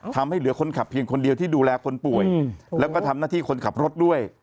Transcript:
ทำให้เหลือคนขับเพียงคนเดียวที่ดูแลคนป่วยแล้วก็ทำหน้าที่คนขับรถด้วย